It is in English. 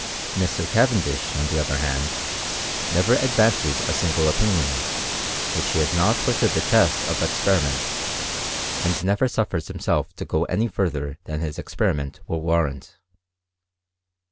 Mr. Cavendish, on the other hand, never advances a single opinion, which he ha» not put to the test of experiment ; and never suffers himself to go any further than his experiment will warrant.